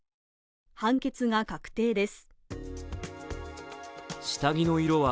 判決が確定です。